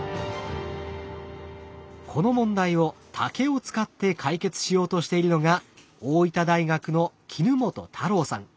この問題を竹を使って解決しようとしているのが大分大学の衣本太郎さん。